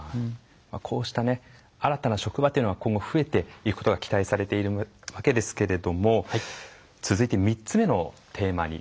こうした新たな職場というのは今後増えていくことが期待されているわけですけれども続いて３つ目のテーマにまいります。